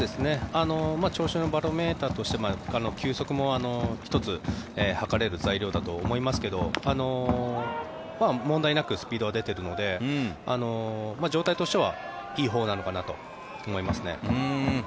調子のバロメーターとして球速も１つ測れる材料だと思いますけど問題なくスピードは出てるので状態としてはいいほうなのかなと思いますね。